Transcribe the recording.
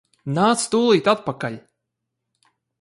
Nāc tūlīt atpakaļ!